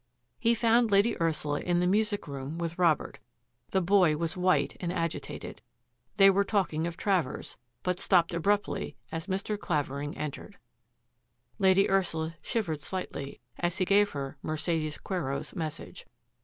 He found Lady Ursula in the music room with Robert. The boy was white and agitated. They were talking of Travers, but stopped abruptly as Mr. Clavering entered. Lady Ursula shivered slightly as he gave her Mercedes Quero's message.